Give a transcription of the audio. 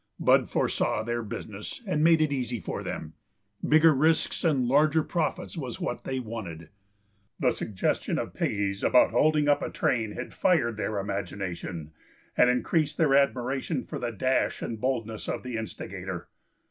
Bud foresaw their business, and made it easy for them. Bigger risks and larger profits was what they wanted. The suggestion of Piggy's about holding up a train had fired their imagination and increased their admiration for the dash and boldness of the instigator.